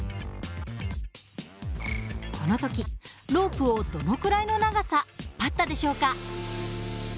この時ロープをどのくらいの長さ引っ張ったでしょうか？